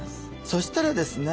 そしたらですね